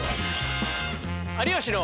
「有吉の」。